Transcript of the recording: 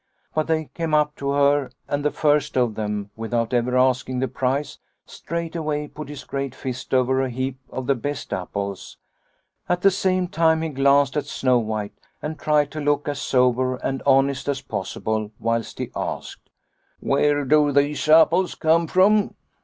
" But they came up to her and the first of them, without ever asking the price, straight way put his great fist over a heap of the best apples. At the same time he glanced at Snow White and tried to look as sober and honest as possible, whilst he asked, ' Where do these apples come from